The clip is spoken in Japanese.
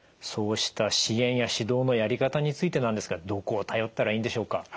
そうした支援や指導のやり方についてなんですがどこを頼ったらいいんでしょうか？